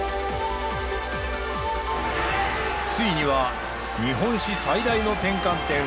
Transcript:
ついには日本史最大の転換点